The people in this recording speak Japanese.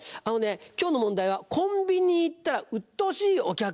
今日の問題は「コンビニにいたらうっとうしいお客」。